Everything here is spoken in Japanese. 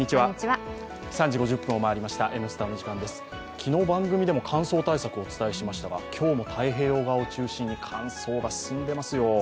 昨日番組でも乾燥対策をお伝えしましたが、今日も太平洋側を中心に乾燥が進んでいますよ。